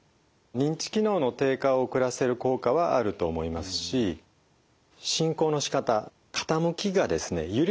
認知機能の低下を遅らせる効果はあると思いますし進行のしかた傾きが緩やかになるっていうことが特徴なんですね。